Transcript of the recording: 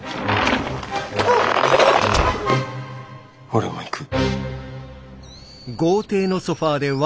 俺も行く。